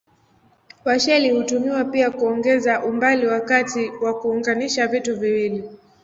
Washeli hutumiwa pia kuongeza umbali wakati wa kuunganisha vitu viwili.